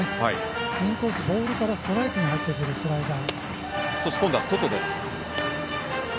インコース、ボールからストライクに入るスライダー。